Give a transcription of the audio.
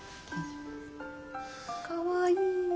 かわいい。